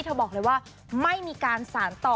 บอกเลยว่าไม่มีการสารต่อ